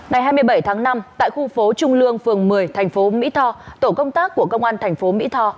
ngày hai mươi bảy tháng năm tại khu phố trung lương phường một mươi thành phố mỹ tho tổ công tác của công an thành phố mỹ tho